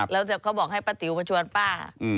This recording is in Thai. แล้วเขาบอกให้ป้าติ๋วมาชวนป้า